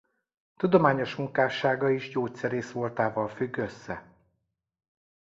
Tudományos munkássága is gyógyszerész voltával függ össze.